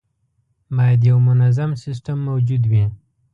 باید یو منظم سیستم موجود وي.